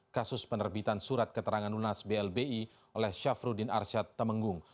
kasus penerbitan surat keterangan lunas blbi oleh syafruddin arsyad temenggung